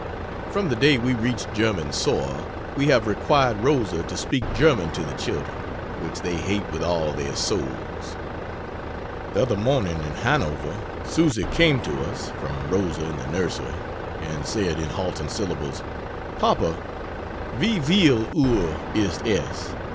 From the day we reached German soil, we have required Rosa to speak German to the children which they hate with all their souls. The other morning in Hanover, Susy came to us (from Rosa, in the nursery) and said, in halting syllables, "Papa, vie viel uhr ist es?"